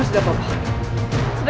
aku sudah menyerangmu